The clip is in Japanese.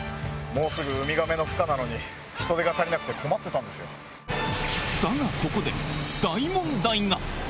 もうすぐウミガメのふ化なのに、人手が足りなくて困ってたんですだがここで、大問題が。